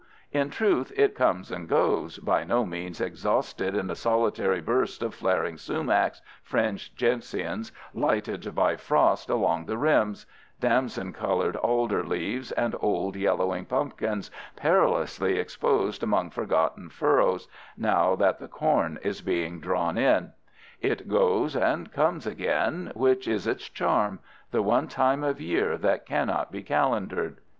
In truth, it comes and goes, by no means exhausted in a solitary burst of flaring sumacs, fringed gentians lighted by frost along the rims, damson colored alder leaves and old yellow pumpkins, perilously exposed among forgotten furrows, now that the corn is being drawn in. It goes, and comes again, which is its charm—the one time of year that cannot be calendared.